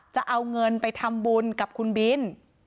จะเอาเงินไปทำบุญกับคุณบิน